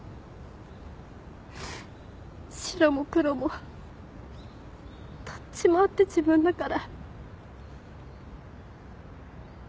白も黒もどっちもあって自分だから。